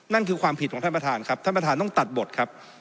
นั่นคือความผิดของท่านประธานครับท่านประธานต้องตัดบทครับ